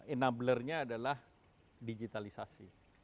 enabler nya adalah digitalisasi